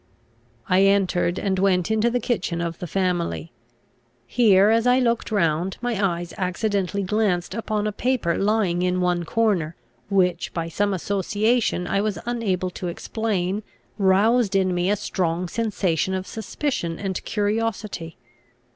I entered, and went into the kitchen of the family. Here, as I looked round, my eyes accidentally glanced upon a paper lying in one corner, which, by some association I was unable to explain, roused in me a strong sensation of suspicion and curiosity.